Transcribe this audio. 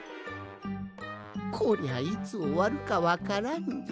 こりゃいつおわるかわからんぞい。